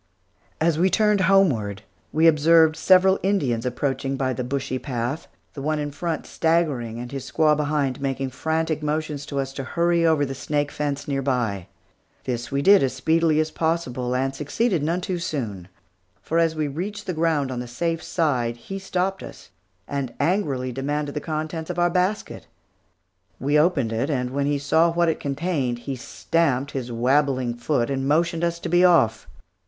As we turned homeward, we observed several Indians approaching by the bushy path, the one in front staggering, and his squaw behind, making frantic motions to us to hurry over the snake fence near by. This we did as speedily as possible, and succeeded none too soon; for as we reached the ground on the safe side, he stopped us, and angrily demanded the contents of our basket. We opened it, and when he saw what it contained he stamped his wabbling foot and motioned us to be off.